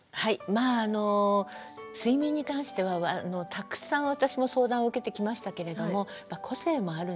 まああの睡眠に関してはたくさん私も相談を受けてきましたけれども個性もあるんですよ。